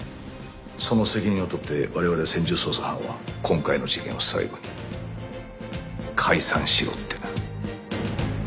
その責任をとって我々専従捜査班は今回の事件を最後に解散しろってな。